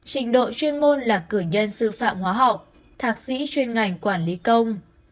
trình độ chuyên môn là cử nhân sư phạm hóa học thạc sĩ chuyên ngành quản lý công